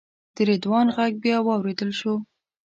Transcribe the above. د رضوان غږ بیا واورېدل شو.